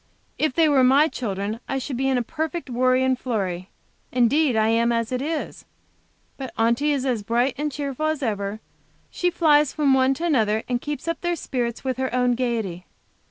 If they were my children, I should be in a perfect worry and flurry. Indeed, I am as it is. But Aunty is as bright and cheerful as ever. She flies from one to another, and keeps up their spirits with her own gayety.